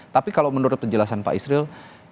tapi kalau menurut penjelasan pak isril